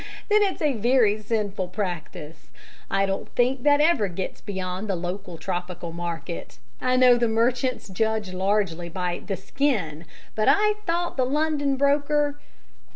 Then it's a very sinful practice. I don't think that ever gets beyond the local tropical market. I know the merchants judge largely by "the skin," but I thought the London broker